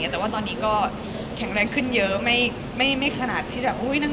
แต่ว่าตอนนี้ก็แข็งแรงขึ้นเยอะไม่ขนาดที่แบบ